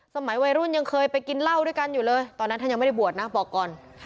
วัยรุ่นยังเคยไปกินเหล้าด้วยกันอยู่เลยตอนนั้นท่านยังไม่ได้บวชนะบอกก่อน